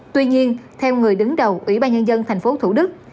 tuy nhiên theo người đứng đầu ủy ban nhân dân thành phố thủ đức